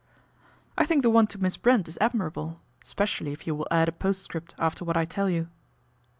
" I think the one to Miss Brent is admirable, specially if you will add a postscript after what I tell you."